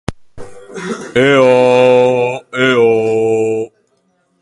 Gauerdirako errepidea garbi eta zabalik zegoen.